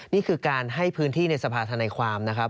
นี่คือการให้พื้นที่ในสภาธนาความนะครับ